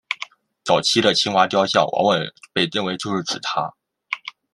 早期的青蛙雕像往往被认为就是指她。